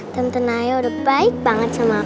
tentu naya udah baik banget sama aku